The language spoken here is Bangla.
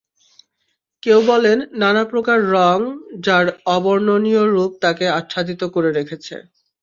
কেউ বলেন, নানা প্রকার রং যার অবর্ণনীয়রূপ তাকে আচ্ছাদিত করে রেখেছে।